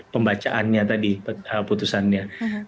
pembacaannya tadi putusannya